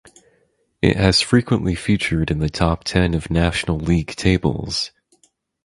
It has frequently featured in the top ten of national league tables.